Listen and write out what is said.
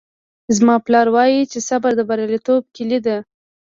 زما پلار وایي چې صبر د بریالیتوب کیلي ده